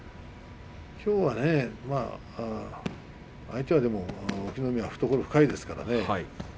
きょうは相手の隠岐の海は懐が深いですからね。